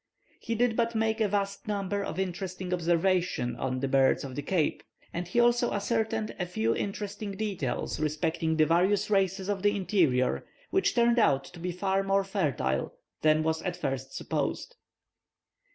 He did but make a vast number of interesting observations on the birds of the Cape, and he also ascertained a few interesting details respecting the various races of the interior, which turned out to be far more fertile than was at first supposed.